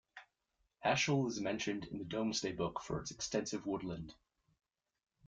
Ashill is mentioned in the Domesday book for its extensive woodland.